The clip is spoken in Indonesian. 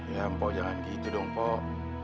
ya mpok jangan gitu dong pak